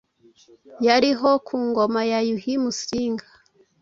yariho ku ngoma ya Yuhi Musinga.